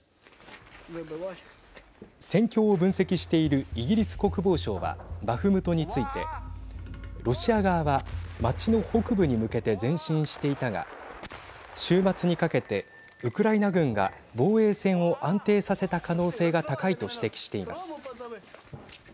戦況を分析しているイギリス国防省はバフムトについてロシア側は街の北部に向けて前進していたが週末にかけてウクライナ軍が防衛線を安定させた可能性が高いと指摘しています。